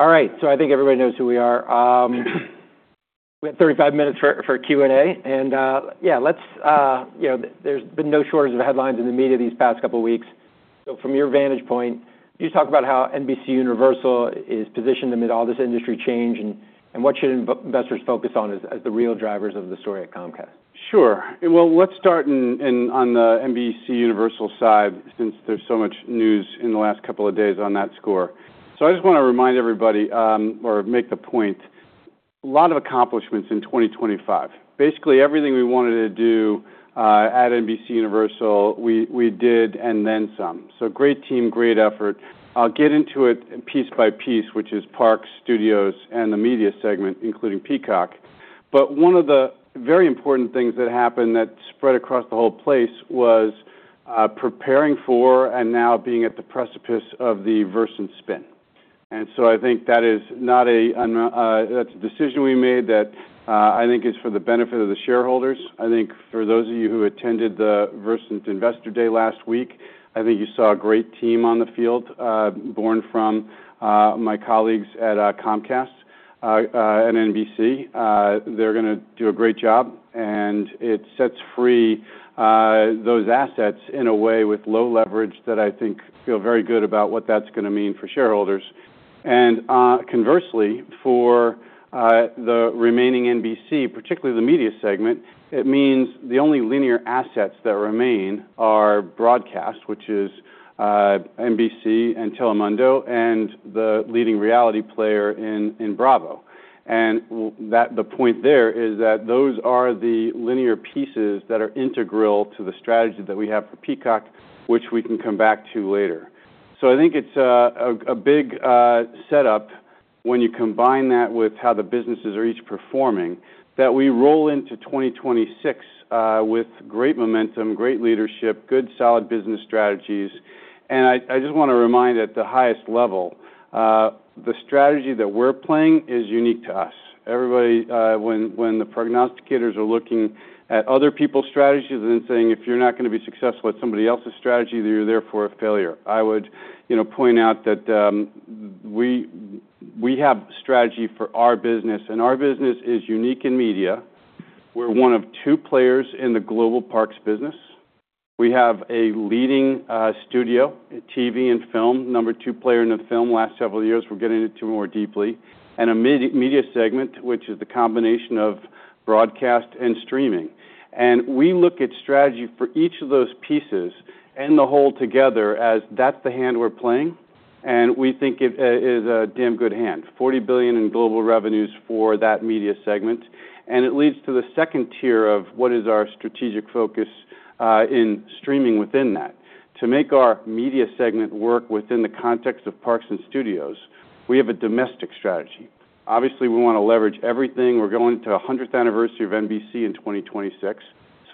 All right. So I think everybody knows who we are. We have thirty-five minutes for Q and A. And, yeah, let's, you know, there's been no shortage of headlines in the media these past couple weeks. So from your vantage point, could you talk about how NBCUniversal is positioned amid all this industry change and what should investors focus on as the real drivers of the story at Comcast? Sure. Well, let's start in on the NBCUniversal side since there's so much news in the last couple of days on that score. So I just wanna remind everybody, or make the point, a lot of accomplishments in 2025. Basically, everything we wanted to do, at NBCUniversal, we did and then some. So great team, great effort. I'll get into it piece by piece, which is Parks, Studios, and the media segment, including Peacock. But one of the very important things that happened that spread across the whole place was, preparing for and now being at the precipice of the Versant spin. And so I think that's a decision we made that, I think, is for the benefit of the shareholders. I think for those of you who attended the Versant Investor Day last week, I think you saw a great team on the field, born from my colleagues at Comcast and NBC. They're gonna do a great job, and it sets free those assets in a way with low leverage that I think feel very good about what that's gonna mean for shareholders. And, conversely, for the remaining NBC, particularly the media segment, it means the only linear assets that remain are Broadcast, which is NBC and Telemundo, and the leading reality player in Bravo. And with that the point there is that those are the linear pieces that are integral to the strategy that we have for Peacock, which we can come back to later. So I think it's a big setup when you combine that with how the businesses are each performing that we roll into 2026, with great momentum, great leadership, good solid business strategies. And I just wanna remind at the highest level, the strategy that we're playing is unique to us. Everybody, when the prognosticators are looking at other people's strategies and then saying, "If you're not gonna be successful at somebody else's strategy, then you're there for a failure." I would, you know, point out that we have strategy for our business, and our business is unique in media. We're one of two players in the global Parks business. We have a leading studio, TV, and film, number two player in the film last several years. We're getting into more deeply. And a mid-media segment, which is the combination of Broadcast and streaming. We look at strategy for each of those pieces and the whole together as that's the hand we're playing, and we think it is a damn good hand. $40 billion in global revenues for that media segment. It leads to the second tier of what is our strategic focus, in streaming within that. To make our media segment work within the context of Parks and Studios, we have a domestic strategy. Obviously, we wanna leverage everything. We're going to 100th anniversary of NBC in 2026. So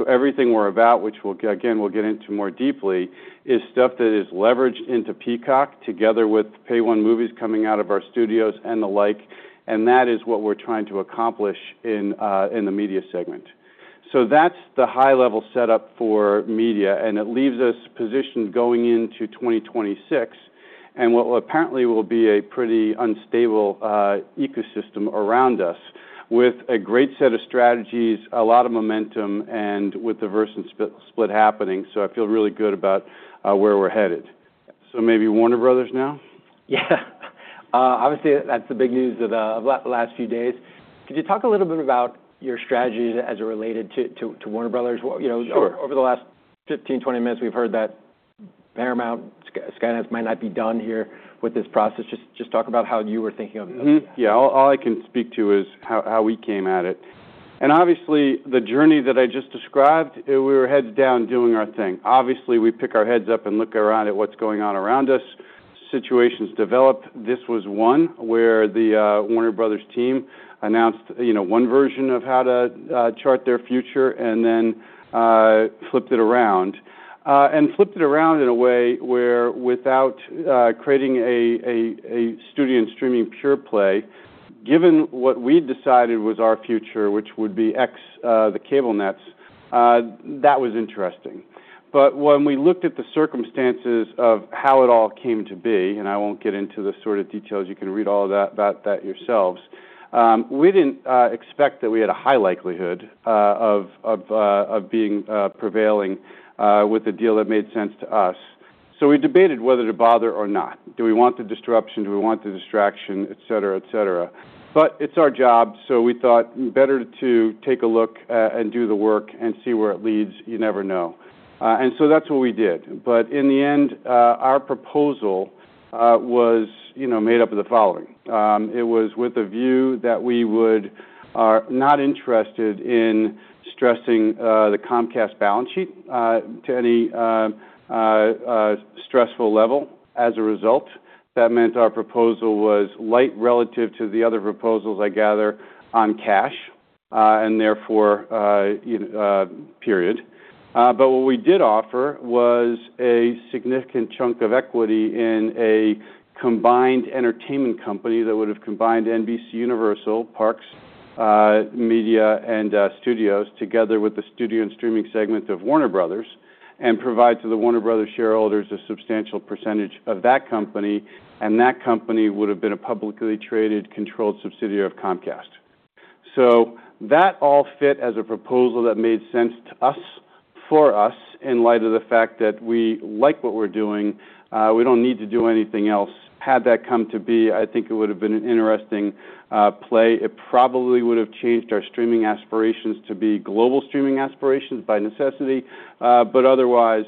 everything we're about, which we'll get into more deeply, is stuff that is leveraged into Peacock together with Pay One Movies coming out of our studios and the like. That is what we're trying to accomplish in the media segment. So that's the high-level setup for media, and it leaves us positioned going into 2026 and what will apparently be a pretty unstable ecosystem around us with a great set of strategies, a lot of momentum, and with the Versant split happening. So I feel really good about where we're headed. So maybe Warner Bros. now? Yeah. Obviously, that's the big news of the last few days. Could you talk a little bit about your strategy as it related to Warner Bros.? What, you know. Sure. Over the last 15, 20 minutes, we've heard that Paramount, Skydance might not be done here with this process. Just, just talk about how you were thinking of this. Yeah. All I can speak to is how we came at it. Obviously, the journey that I just described, we were heads down doing our thing. Obviously, we pick our heads up and look around at what's going on around us. Situations develop. This was one where the Warner Bros. team announced, you know, one version of how to chart their future and then flipped it around in a way where without creating a studio and streaming pure play, given what we decided was our future, which would be Xfinity, the cable nets, that was interesting. But when we looked at the circumstances of how it all came to be, and I won't get into the sort of details. You can read all of that yourselves. We didn't expect that we had a high likelihood of prevailing with a deal that made sense to us. So we debated whether to bother or not. Do we want the disruption? Do we want the distraction, etc., etc.? But it's our job, so we thought better to take a look, and do the work and see where it leads. You never know. And so that's what we did. But in the end, our proposal was, you know, made up of the following. It was with a view that we would not interested in stressing the Comcast balance sheet to any stressful level as a result. That meant our proposal was light relative to the other proposals, I gather, on cash, and therefore, you know. But what we did offer was a significant chunk of equity in a combined entertainment company that would've combined NBCUniversal, Parks, Media, and Studios together with the studio and streaming segment of Warner Bros. and provide to the Warner Bros. shareholders a substantial percentage of that company. And that company would've been a publicly traded controlled subsidiary of Comcast. So that all fit as a proposal that made sense to us, for us, in light of the fact that we like what we're doing. We don't need to do anything else. Had that come to be, I think it would've been an interesting play. It probably would've changed our streaming aspirations to be global streaming aspirations by necessity. But otherwise,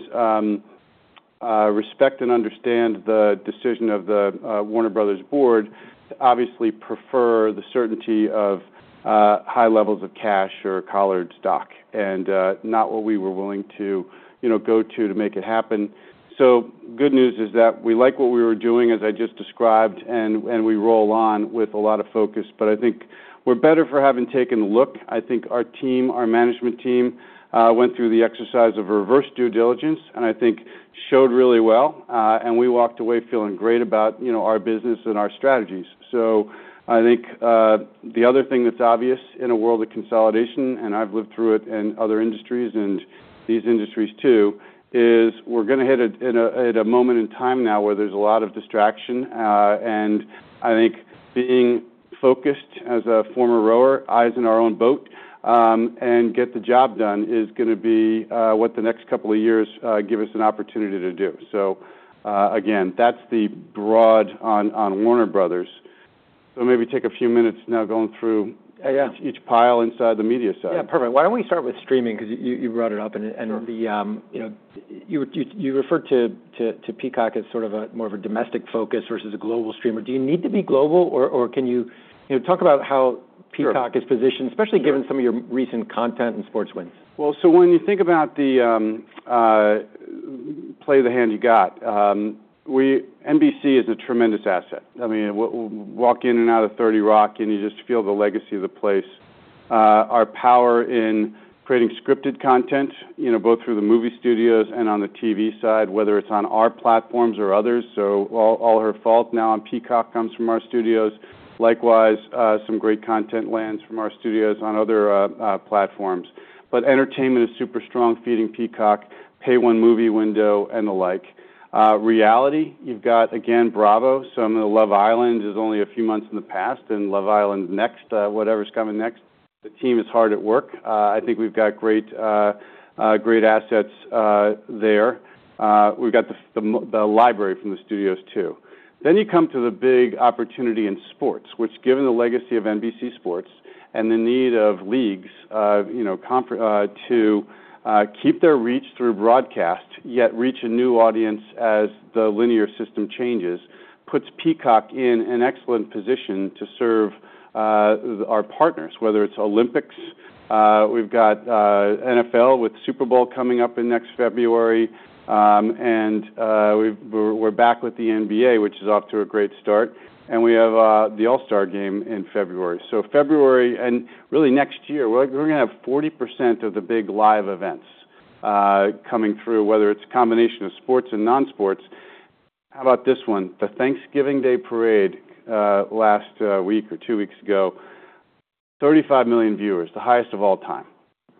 respect and understand the decision of the Warner Bros. board. Obviously, we prefer the certainty of high levels of cash or collared stock and not what we were willing to, you know, go to to make it happen. So good news is that we like what we were doing, as I just described, and we roll on with a lot of focus. But I think we're better for having taken a look. I think our team, our management team, went through the exercise of reverse due diligence, and I think showed really well. And we walked away feeling great about, you know, our business and our strategies. So I think the other thing that's obvious in a world of consolidation, and I've lived through it in other industries and these industries too, is we're gonna hit a moment in time now where there's a lot of distraction. And I think being focused as a former rower, eyes in our own boat, and get the job done is gonna be what the next couple of years give us an opportunity to do. So, again, that's the broad on, on Warner Bros. So maybe take a few minutes now going through. Yeah. Each pile inside the media side. Yeah. Perfect. Why don't we start with streaming? 'Cause you brought it up and, you know, you referred to Peacock as sort of a more of a domestic focus versus a global stream. Do you need to be global, or can you, you know, talk about how Peacock is positioned, especially given some of your recent content and sports wins? Well, so when you think about the play of the hand you've got, when NBC is a tremendous asset. I mean, walk in and out of 30 Rock, and you just feel the legacy of the place. Our power in creating scripted content, you know, both through the movie studios and on the TV side, whether it's on our platforms or others. So all original content now on Peacock comes from our studios. Likewise, some great content lands from our studios on other platforms. But entertainment is super strong feeding Peacock, Pay One Movie window, and the like. Reality, you've got, again, Bravo. So Love Island is only a few months in the past, and Love Island next, whatever's coming next. The team is hard at work. I think we've got great assets there. We've got the film library from the studios too. Then you come to the big opportunity in sports, which, given the legacy of NBC Sports and the need of leagues, you know, have to keep their reach through broadcast yet reach a new audience as the linear system changes, puts Peacock in an excellent position to serve our partners, whether it's Olympics. We've got NFL with Super Bowl coming up in next February. And we're back with the NBA, which is off to a great start. And we have the All-Star Game in February. So February and really next year, we're gonna have 40% of the big live events coming through, whether it's a combination of sports and non-sports. How about this one? The Thanksgiving Day parade, last week or two weeks ago, 35 million viewers, the highest of all time.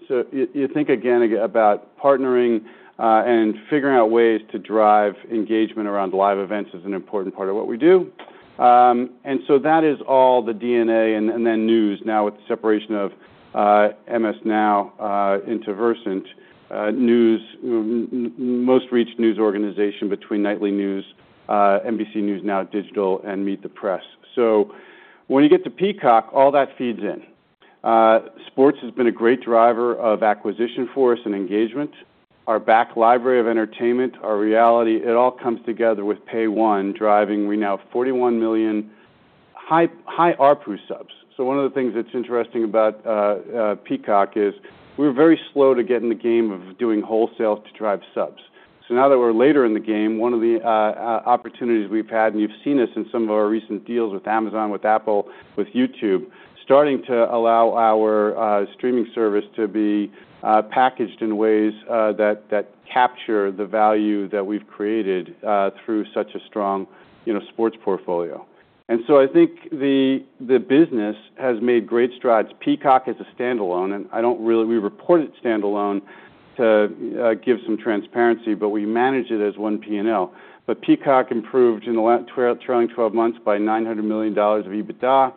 So you think again about partnering, and figuring out ways to drive engagement around live events is an important part of what we do. And so that is all the DNA and then news now with the separation of MSNBC into Versant, news most-reached news organization between Nightly News, NBC News Now Digital, and Meet the Press. So when you get to Peacock, all that feeds in. Sports has been a great driver of acquisition for us and engagement. Our back library of entertainment, our reality, it all comes together with Pay One driving we now 41 million high RPU subs. So one of the things that's interesting about Peacock is we were very slow to get in the game of doing wholesale to drive subs. So now that we're later in the game, one of the opportunities we've had, and you've seen us in some of our recent deals with Amazon, with Apple, with YouTube, starting to allow our streaming service to be packaged in ways that capture the value that we've created through such a strong, you know, sports portfolio. And so I think the business has made great strides. Peacock is a standalone, and I don't really, we report it standalone to give some transparency, but we manage it as one P&L. But Peacock improved in the last twelve trailing 12 months by $900 million of EBITDA.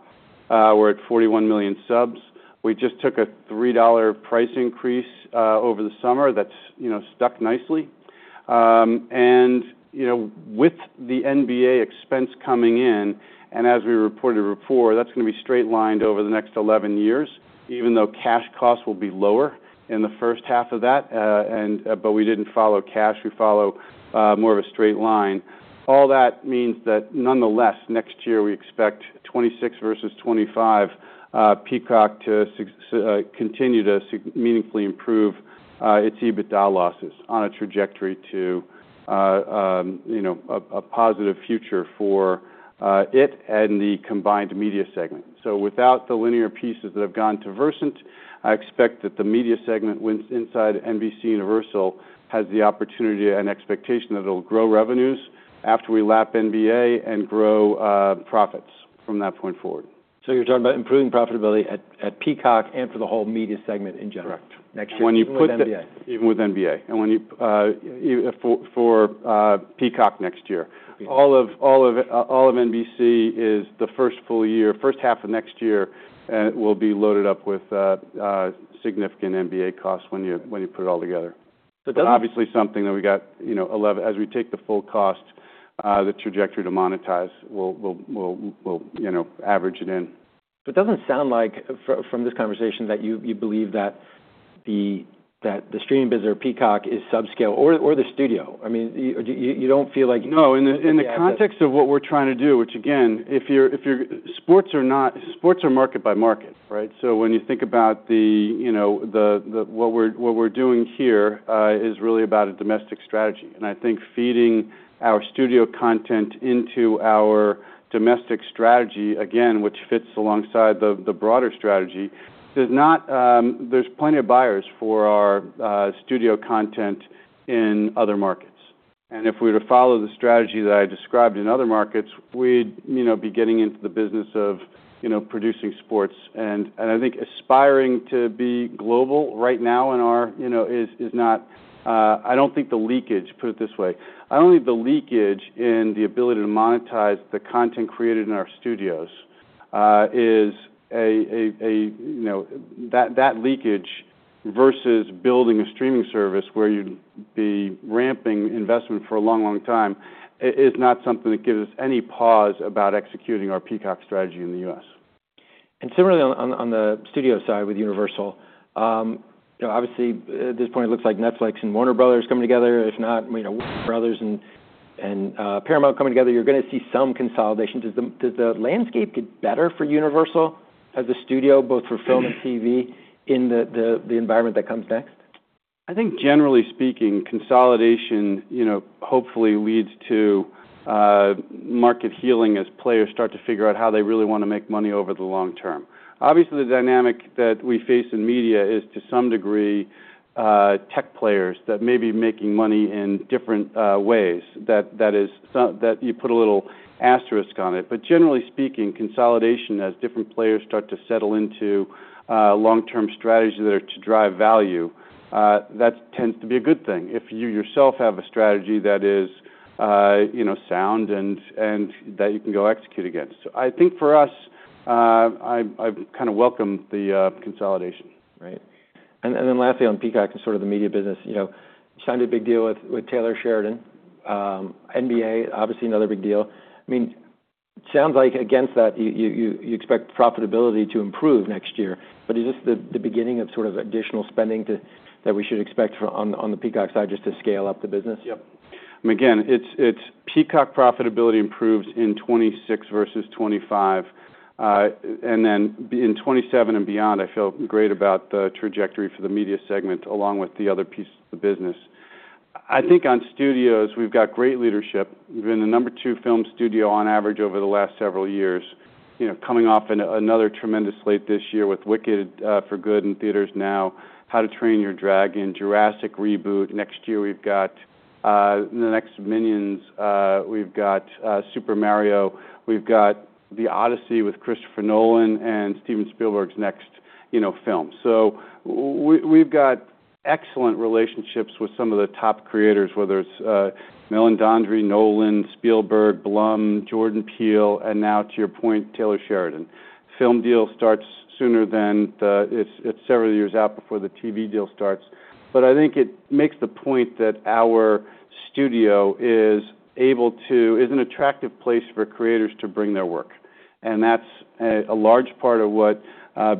We're at 41 million subs. We just took a three dollars price increase over the summer. That's, you know, stuck nicely. You know, with the NBA expense coming in, and as we reported before, that's gonna be straight lined over the next 11 years, even though cash costs will be lower in the first half of that. But we didn't follow cash. We follow more of a straight line. All that means that nonetheless, next year, we expect 2026 versus 2025, Peacock to continue to succeed meaningfully improve its EBITDA losses on a trajectory to, you know, a positive future for it and the combined media segment. So without the linear pieces that have gone to Versant, I expect that the media segment within NBCUniversal has the opportunity and expectation that it'll grow revenues after we lap NBA and grow profits from that point forward. You're talking about improving profitability at Peacock and for the whole media segment in general? Correct. Next year with NBA? Even with the NBA. And when you have it for Peacock next year. Okay. All of NBC is the first full year, first half of next year, and it will be loaded up with significant NBA costs when you put it all together. So does it? Obviously, something that we got, you know, 11 as we take the full cost, the trajectory to monetize, we'll, you know, average it in. But it doesn't sound like, from this conversation, that you believe that the streaming business or Peacock is subscale or the studio. I mean, you don't feel like. No. In the context of what we're trying to do, which again, if your sports are market by market, right? So when you think about, you know, what we're doing here is really about a domestic strategy. And I think feeding our studio content into our domestic strategy, again, which fits alongside the broader strategy, does not. There's plenty of buyers for our studio content in other markets. And if we were to follow the strategy that I described in other markets, we'd, you know, be getting into the business of, you know, producing sports. I think aspiring to be global right now in our, you know, is not. Put it this way, I don't think the leakage in the ability to monetize the content created in our studios is a you know that leakage versus building a streaming service where you'd be ramping investment for a long time is not something that gives us any pause about executing our Peacock strategy in the U.S. Similarly on the studio side with Universal, you know, obviously, at this point, it looks like Netflix and Warner Bros. coming together. If not, you know, Warner Bros. and Paramount coming together, you're gonna see some consolidation. Does the landscape get better for Universal as a studio, both for film and TV in the environment that comes next? I think generally speaking, consolidation, you know, hopefully leads to market healing as players start to figure out how they really wanna make money over the long term. Obviously, the dynamic that we face in media is to some degree tech players that may be making money in different ways that is some that you put a little asterisk on it. But generally speaking, consolidation as different players start to settle into long-term strategies that are to drive value, that tends to be a good thing if you yourself have a strategy that is, you know, sound and that you can go execute against. So I think for us, I kinda welcome the consolidation. Right. And then lastly, on Peacock and sort of the media business, you know, you signed a big deal with Taylor Sheridan. NBA, obviously, another big deal. I mean, it sounds like against that, you expect profitability to improve next year. But is this the beginning of sort of additional spending to that we should expect for on the Peacock side just to scale up the business? Yep. And again, it's Peacock profitability improves in 2026 versus 2025. And then in 2027 and beyond, I feel great about the trajectory for the media segment along with the other pieces of the business. I think on studios, we've got great leadership. We've been the number two film studio on average over the last several years, you know, coming off another tremendous slate this year with Wicked, for Good in theaters now, How to Train Your Dragon, Jurassic reboot. Next year, we've got the next Minions. We've got Super Mario. We've got The Odyssey with Christopher Nolan and Steven Spielberg's next, you know, film. So we've got excellent relationships with some of the top creators, whether it's Meledandri, Nolan, Spielberg, Blum, Jordan Peele, and now, to your point, Taylor Sheridan. Film deal starts sooner than it's several years out before the TV deal starts. But I think it makes the point that our studio is able to be an attractive place for creators to bring their work. And that's a large part of what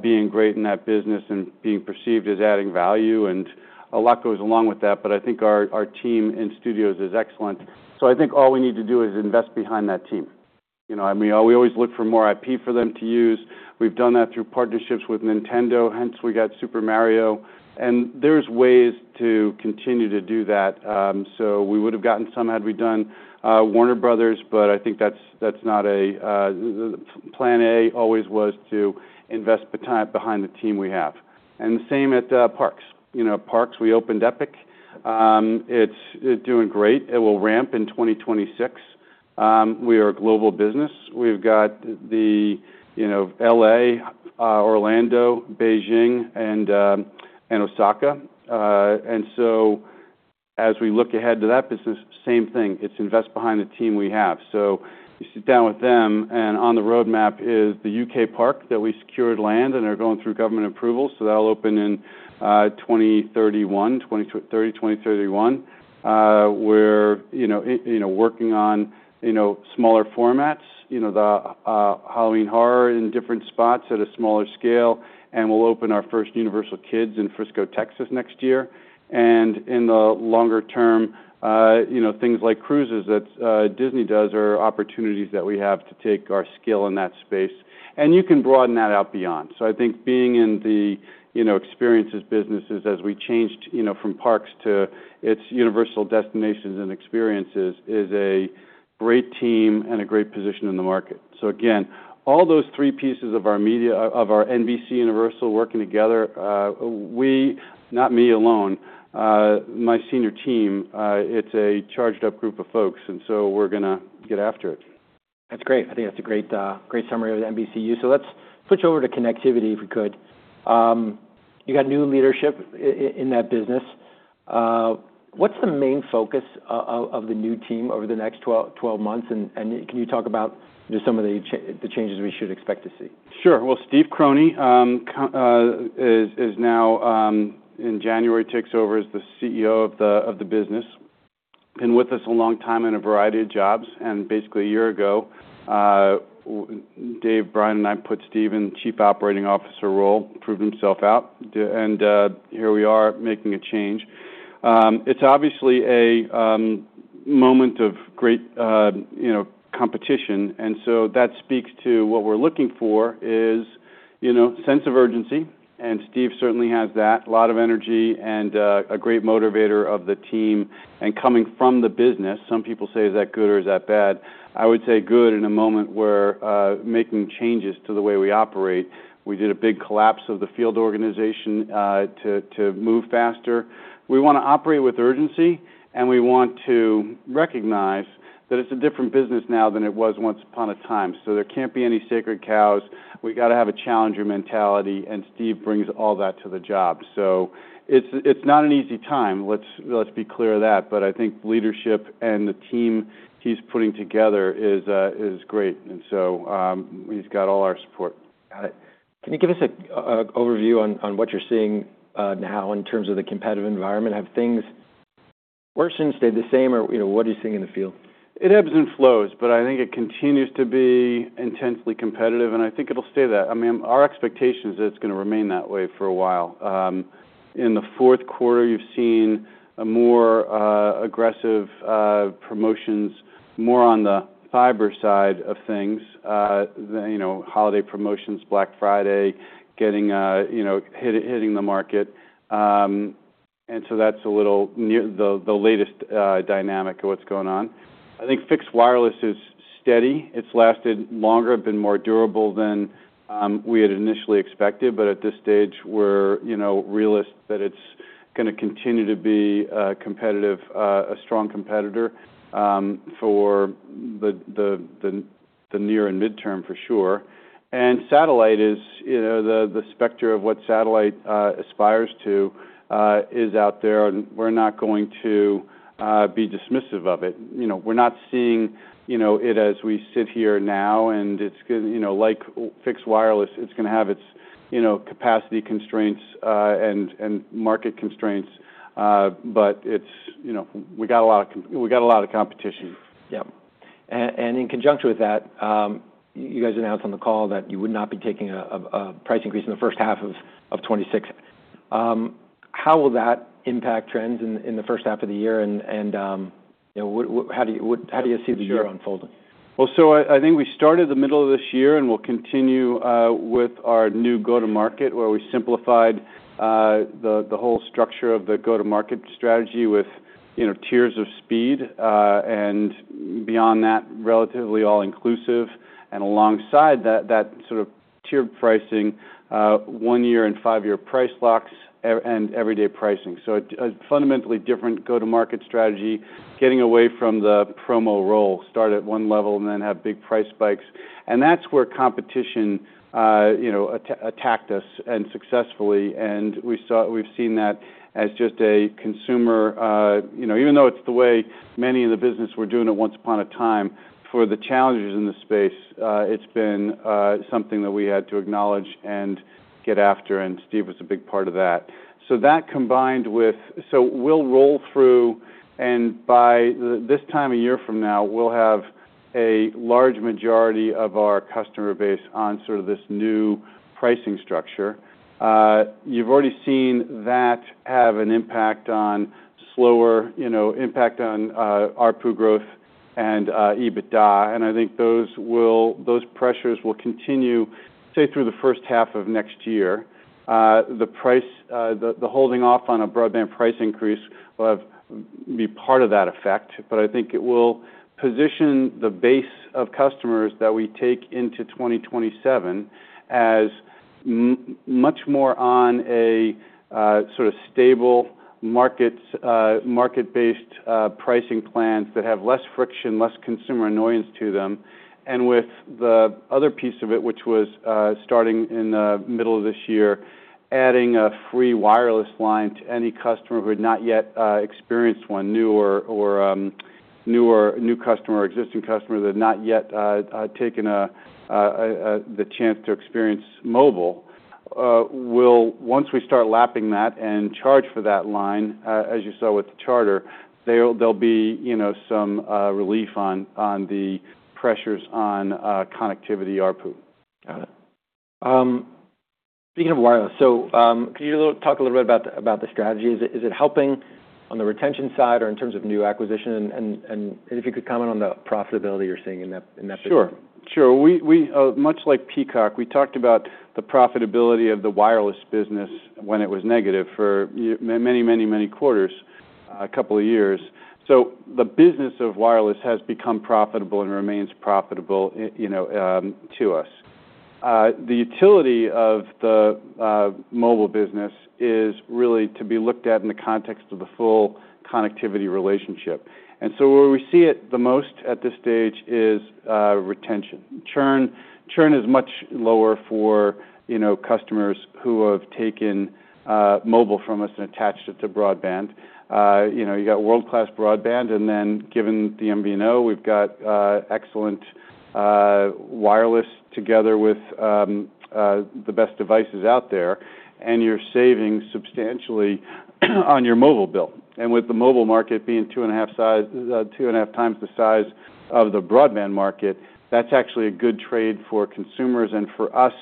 being great in that business and being perceived as adding value. And a lot goes along with that. But I think our team in studios is excellent. So I think all we need to do is invest behind that team. You know, I mean, we always look for more IP for them to use. We've done that through partnerships with Nintendo, hence we got Super Mario. And there's ways to continue to do that. So we would've gotten some had we done Warner Bros., but I think that's not the plan. A always was to invest behind the team we have. And the same at Parks. You know, Parks, we opened Epic. It's doing great. It will ramp in 2026. We are a global business. We've got the you know LA, Orlando, Beijing, and Osaka. And so as we look ahead to that business, same thing. It's invest behind the team we have. So you sit down with them, and on the roadmap is the U.K. Park that we secured land and are going through government approval. So that'll open in 2030, 2031, you know working on you know smaller formats, you know the Halloween horror in different spots at a smaller scale. And we'll open our first Universal Kids in Frisco, Texas next year. And in the longer term, you know things like cruises that Disney does are opportunities that we have to take our skill in that space. And you can broaden that out beyond. So I think being in the, you know, experiences businesses as we changed, you know, from Parks to its Universal Destinations and Experiences is a great team and a great position in the market. So again, all those three pieces of our media of our NBCUniversal working together, we not me alone, my senior team, it's a charged-up group of folks. And so we're gonna get after it. That's great. I think that's a great, great summary of the NBCU. So let's switch over to connectivity if we could. You got new leadership in that business. What's the main focus of the new team over the next 12 months? And can you talk about, you know, some of the the changes we should expect to see? Sure. Well, Steve Crone, COO is now, in January, takes over as the CEO of the business. Been with us a long time in a variety of jobs. And basically, a year ago, with Dave, Brian, and I put Steve in chief operating officer role, proved himself out. And here we are making a change. It's obviously a moment of great, you know, competition. And so that speaks to what we're looking for is, you know, sense of urgency. And Steve certainly has that, a lot of energy and a great motivator of the team. And coming from the business, some people say, "Is that good or is that bad?" I would say good in a moment where making changes to the way we operate. We did a big collapse of the field organization to move faster. We wanna operate with urgency, and we want to recognize that it's a different business now than it was once upon a time. So there can't be any sacred cows. We gotta have a challenger mentality. And Steve brings all that to the job. So it's not an easy time. Let's be clear of that. But I think leadership and the team he's putting together is great. And so, he's got all our support. Got it. Can you give us a overview on what you're seeing now in terms of the competitive environment? Have things worsened, stayed the same, or you know, what are you seeing in the field? It ebbs and flows, but I think it continues to be intensely competitive. And I think it'll stay that. I mean, our expectation is that it's gonna remain that way for a while. In the fourth quarter, you've seen more aggressive promotions, more on the fiber side of things, the, you know, holiday promotions, Black Friday, getting, you know, hitting the market. And so that's a little near the latest dynamic of what's going on. I think fixed wireless is steady. It's lasted longer, been more durable than we had initially expected. But at this stage, we're, you know, realists that it's gonna continue to be competitive, a strong competitor, for the near and midterm for sure. And satellite is, you know, the specter of what satellite aspires to is out there. And we're not going to be dismissive of it. You know, we're not seeing, you know, it as we sit here now, and it's gonna, you know, like fixed wireless, it's gonna have its, you know, capacity constraints, and market constraints, but it's, you know, we got a lot of competition. Yep. And in conjunction with that, you guys announced on the call that you would not be taking a price increase in the first half of 2026. How will that impact trends in the first half of the year? And you know, what, how do you see the year unfolding? Sure. Well, so I think we started in the middle of this year and we'll continue with our new go-to-market where we simplified the whole structure of the go-to-market strategy with, you know, tiers of speed, and beyond that, relatively all-inclusive. And alongside that, that sort of tiered pricing, one-year and five-year price locks and everyday pricing, so a fundamentally different go-to-market strategy, getting away from the promo model, start at one level and then have big price spikes. And that's where competition, you know, attacked us and successfully. And we've seen that as just a consumer, you know, even though it's the way many in the business were doing it once upon a time, for the challenges in the space, it's been something that we had to acknowledge and get after. And Steve was a big part of that. So that combined with, we'll roll through. And by this time a year from now, we'll have a large majority of our customer base on sort of this new pricing structure. You've already seen that have an impact on slower, you know, impact on our RPU growth and EBITDA. And I think those pressures will continue, say, through the first half of next year. The holding off on a broadband price increase will have to be part of that effect. But I think it will position the base of customers that we take into 2027 as much more on a sort of stable, market-based pricing plans that have less friction, less consumer annoyance to them. And with the other piece of it, which was starting in the middle of this year, adding a free wireless line to any new or existing customer that had not yet taken the chance to experience mobile. Well, once we start lapping that and charge for that line, as you saw with Charter, there'll be, you know, some relief on the pressures on connectivity, our RPU. Got it. Speaking of wireless, so can you talk a little bit about the strategy? Is it helping on the retention side or in terms of new acquisition? And if you could comment on the profitability you're seeing in that business. Sure. We much like Peacock, we talked about the profitability of the wireless business when it was negative for, you know, many, many, many quarters, a couple of years. So the business of wireless has become profitable and remains profitable, you know, to us. The utility of the mobile business is really to be looked at in the context of the full connectivity relationship. And so where we see it the most at this stage is retention. Churn is much lower for, you know, customers who have taken mobile from us and attached it to broadband. You know, you got world-class broadband. And then given the MVNO, we've got excellent wireless together with the best devices out there. And you're saving substantially on your mobile bill. With the mobile market being two and a half times the size of the broadband market, that's actually a good trade for consumers. And for us,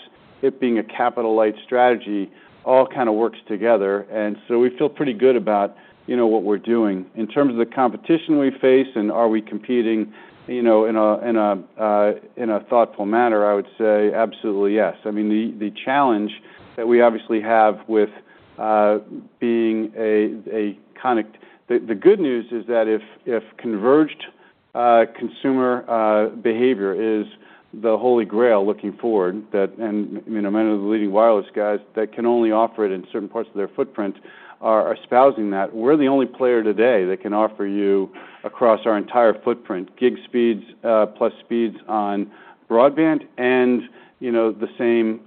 it being a capital-light strategy all kinda works together. And so we feel pretty good about, you know, what we're doing. In terms of the competition we face and are we competing, you know, in a thoughtful manner, I would say absolutely yes. I mean, the challenge that we obviously have with being a connectivity, the good news is that if converged consumer behavior is the holy grail looking forward, that and, you know, many of the leading wireless guys that can only offer it in certain parts of their footprint are espousing that. We're the only player today that can offer you across our entire footprint gig speeds, plus speeds on broadband and, you know, the same,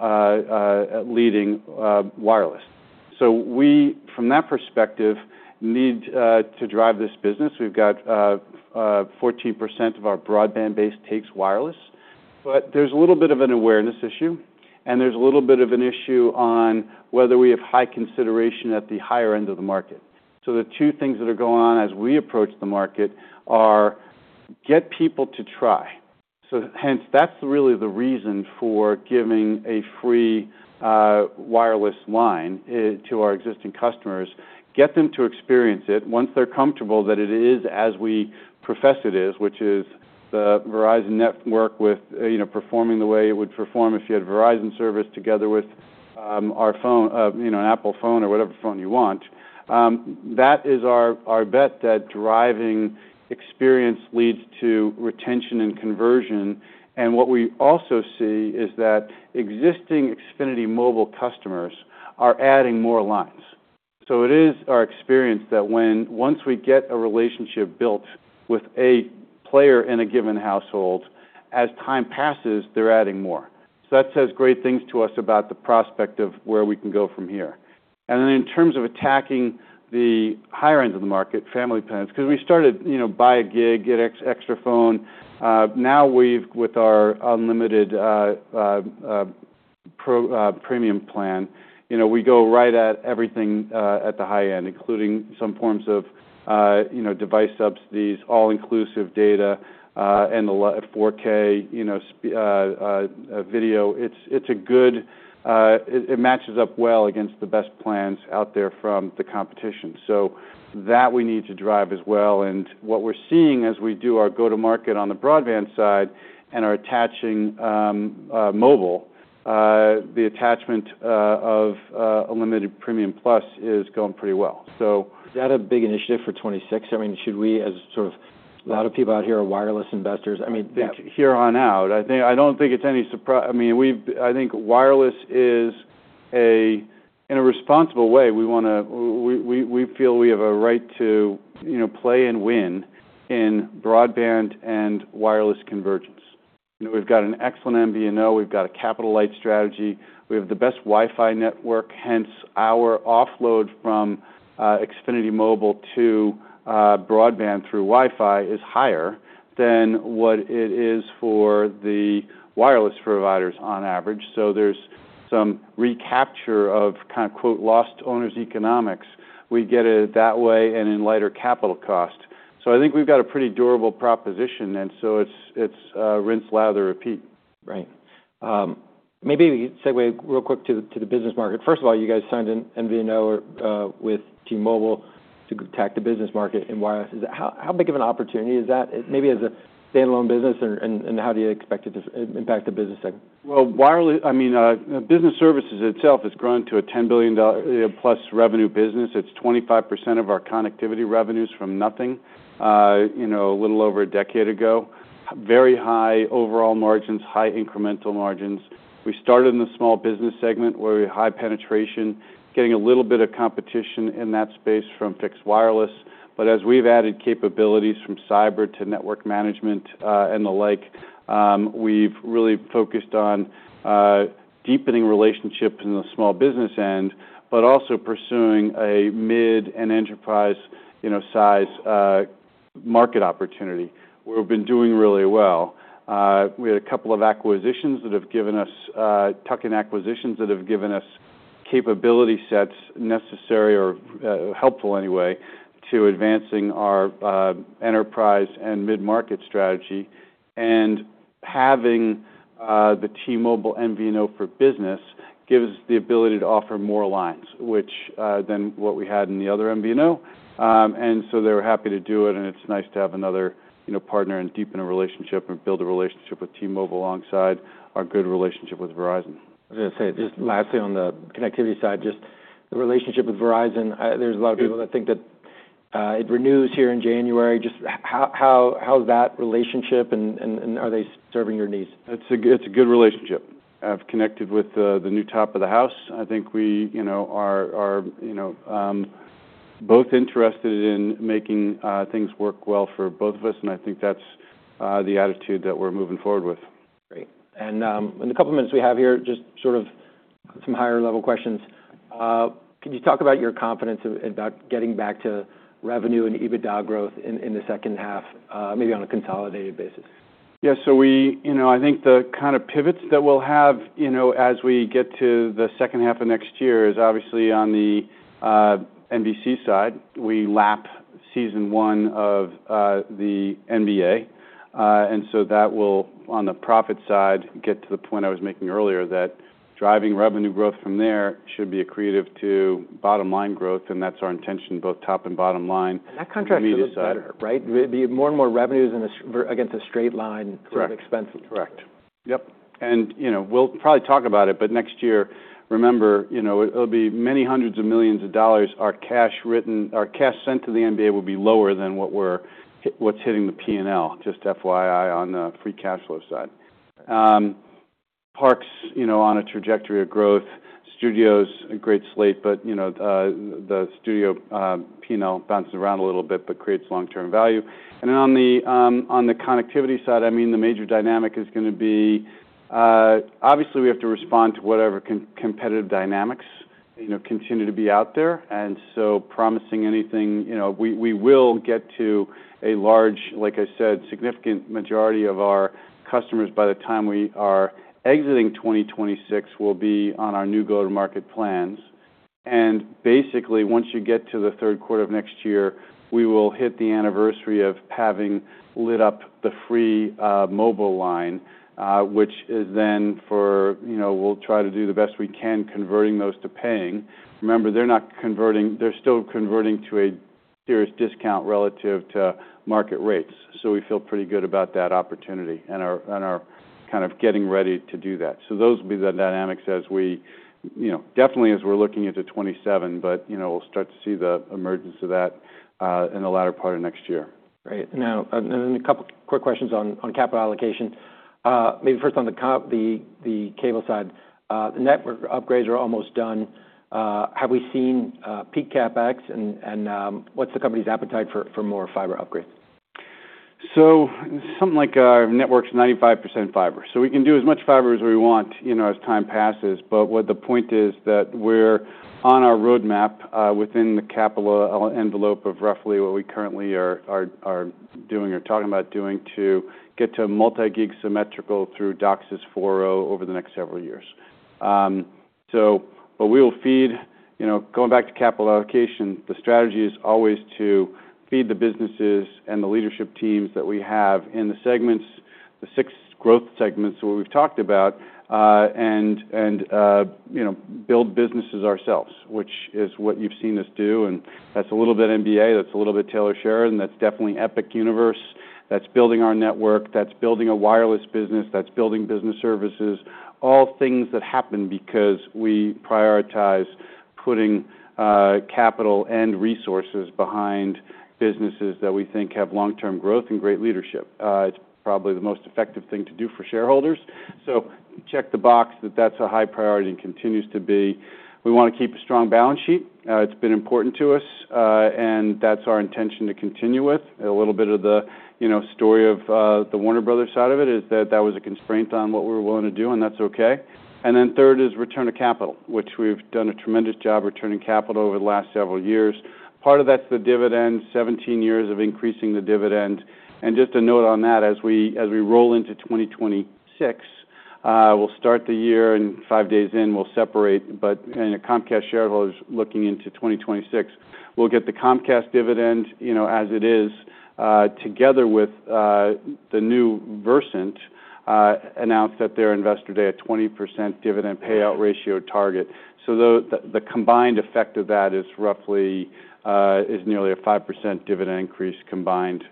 leading, wireless. So we, from that perspective, need to drive this business. We've got 14% of our broadband base takes wireless. But there's a little bit of an awareness issue. And there's a little bit of an issue on whether we have high consideration at the higher end of the market. So the two things that are going on as we approach the market are get people to try. So hence, that's really the reason for giving a free wireless line to our existing customers, get them to experience it once they're comfortable that it is as we profess it is, which is the Verizon network with, you know, performing the way it would perform if you had Verizon service together with our phone, you know, an Apple phone or whatever phone you want. That is our, our bet that driving experience leads to retention and conversion. And what we also see is that existing Xfinity Mobile customers are adding more lines. So it is our experience that when we get a relationship built with a payer in a given household, as time passes, they're adding more. So that says great things to us about the prospect of where we can go from here. And then in terms of attacking the higher end of the market, family plans, 'cause we started, you know, buy a gig, get extra phone. Now we've with our unlimited, pro, premium plan, you know, we go right at everything, at the high end, including some forms of, you know, device subsidies, all-inclusive data, and a lot of 4-K, you know, sports video. It's a good, it matches up well against the best plans out there from the competition. So that we need to drive as well. And what we're seeing as we do our go-to-market on the broadband side and are attaching mobile, the attachment of unlimited premium plus is going pretty well. So. Is that a big initiative for 2026? I mean, should we, as sort of a lot of people out here are wireless investors. I mean, the. Yeah. Here on out, I don't think it's any surprise. I mean, wireless is a in a responsible way, we wanna we feel we have a right to, you know, play and win in broadband and wireless convergence. You know, we've got an excellent MVNO. We've got a capital-light strategy. We have the best Wi-Fi network. Hence, our offload from Xfinity Mobile to broadband through Wi-Fi is higher than what it is for the wireless providers on average. So there's some recapture of kinda quote lost owner's economics. We get it that way and in lighter capital cost. So I think we've got a pretty durable proposition. And so it's rinse, lather, repeat. Right. Maybe segue real quick to the business market. First of all, you guys signed an MVNO with T-Mobile to attack the business market in wireless. Is that how big of an opportunity is that? Maybe as a standalone business and how do you expect it to impact the business segment? Wireless, I mean, the business services itself has grown to a $10 billion plus revenue business. It's 25% of our connectivity revenues from nothing, you know, a little over a decade ago. Very high overall margins, high incremental margins. We started in the small business segment where we had high penetration, getting a little bit of competition in that space from fixed wireless. But as we've added capabilities from fiber to network management, and the like, we've really focused on deepening relationships in the small business end, but also pursuing a mid and enterprise, you know, size, market opportunity where we've been doing really well. We had a couple of acquisitions that have given us tuck-in acquisitions that have given us capability sets necessary or helpful anyway to advancing our enterprise and mid-market strategy. Having the T-Mobile MVNO for business gives the ability to offer more lines than what we had in the other MVNO. So they were happy to do it. It's nice to have another, you know, partner and deepen a relationship and build a relationship with T-Mobile alongside our good relationship with Verizon. I was gonna say just lastly on the connectivity side, just the relationship with Verizon, there's a lot of people that think that, it renews here in January. Just how's that relationship? And are they serving your needs? It's a good relationship. I've connected with the new top of the house. I think we, you know, are, you know, both interested in making things work well for both of us. And I think that's the attitude that we're moving forward with. Great. And in the couple of minutes we have here, just sort of some higher-level questions, could you talk about your confidence in getting back to revenue and EBITDA growth in the second half, maybe on a consolidated basis? Yeah. So we, you know, I think the kind of pivots that we'll have, you know, as we get to the second half of next year is obviously on the NBC side. We lap season one of the NBA, and so that will, on the profit side, get to the point I was making earlier that driving revenue growth from there should be a key driver to bottom-line growth. And that's our intention, both top and bottom line. That contract feels better, right? There'd be more and more revenues in the s against a straight line from expenses. Correct. Correct. Yep. And, you know, we'll probably talk about it, but next year, remember, you know, it'll be many hundreds of millions of dollars. Our cash writedown, our cash sent to the NBA will be lower than what we're hitting, what's hitting the P&L, just FYI, on the free cash flow side. Parks, you know, on a trajectory of growth. Studios, a great slate. But, you know, the studio, P&L bounces around a little bit but creates long-term value. And then on the connectivity side, I mean, the major dynamic is gonna be, obviously, we have to respond to whatever competitive dynamics, you know, continue to be out there. And so promising anything, you know, we will get to a large, like I said, significant majority of our customers by the time we are exiting 2026 will be on our new go-to-market plans. Basically, once you get to the third quarter of next year, we will hit the anniversary of having lit up the free mobile line, which is then for, you know, we'll try to do the best we can converting those to paying. Remember, they're still converting to a serious discount relative to market rates. So we feel pretty good about that opportunity and our kind of getting ready to do that. So those will be the dynamics as we, you know, definitely as we're looking into 2027. But, you know, we'll start to see the emergence of that in the latter part of next year. Great. Now and then a couple quick questions on capital allocation. Maybe first on the cable side. The network upgrades are almost done. Have we seen peak CapEx and what's the company's appetite for more fiber upgrades? So something like, the network's 95% fiber. We can do as much fiber as we want, you know, as time passes. But what the point is that we're on our roadmap, within the capital envelope of roughly what we currently are doing or talking about doing to get to multi-gig symmetrical through DOCSIS 4.0 over the next several years. But we will feed, you know, going back to capital allocation, the strategy is always to feed the businesses and the leadership teams that we have in the segments, the six growth segments that we've talked about, and you know, build businesses ourselves, which is what you've seen us do. That's a little bit NBA. That's a little bit Taylor Sheridan. That's definitely Epic Universe. That's building our network. That's building a wireless business. That's building business services. All things that happen because we prioritize putting capital and resources behind businesses that we think have long-term growth and great leadership. It's probably the most effective thing to do for shareholders, so check the box that that's a high priority and continues to be. We wanna keep a strong balance sheet. It's been important to us, and that's our intention to continue with, and a little bit of the, you know, story of the Warner Bros. side of it is that that was a constraint on what we were willing to do, and that's okay, and then third is return of capital, which we've done a tremendous job returning capital over the last several years. Part of that's the dividend, 17 years of increasing the dividend, and just a note on that, as we roll into 2026, we'll start the year and five days in, we'll separate. But you know, Comcast shareholders looking into 2026, we'll get the Comcast dividend, you know, as it is, together with the new Versant announced at their investor day a 20% dividend payout ratio target. The combined effect of that is roughly nearly a 5% dividend increase combined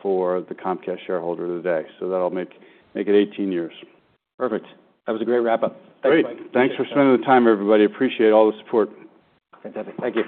for the Comcast shareholder today. That'll make it 18 years. Perfect. That was a great wrap-up. Great. Thanks, Mike. Thanks for spending the time, everybody. Appreciate all the support. Fantastic. Thank you.